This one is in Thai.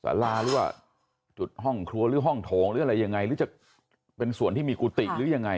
สาราหรือว่าจุดห้องครัวหรือห้องโถงหรืออะไรยังไงหรือจะเป็นส่วนที่มีกุฏิหรือยังไง